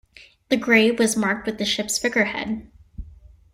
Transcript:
The grave was marked with the ship's figurehead.